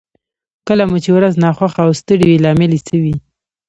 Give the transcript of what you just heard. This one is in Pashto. کله مو چې ورځ ناخوښه او ستړې وي لامل يې څه وي؟